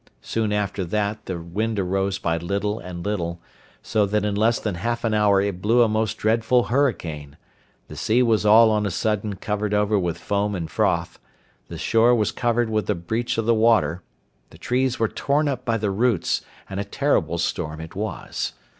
Soon after that the wind arose by little and little, so that in less than half an hour it blew a most dreadful hurricane; the sea was all on a sudden covered over with foam and froth; the shore was covered with the breach of the water, the trees were torn up by the roots, and a terrible storm it was.